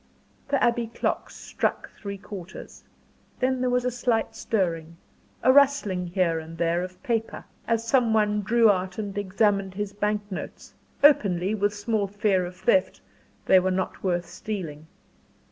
The Abbey clock struck three quarters. Then there was a slight stirring, a rustling here and there of paper, as some one drew out and examined his bank notes; openly, with small fear of theft they were not worth stealing.